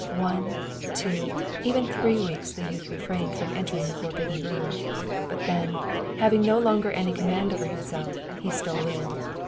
One, two, even three weeks the youth refrained from entering the forbidden room; but then, having no longer any command over himself, he stole in.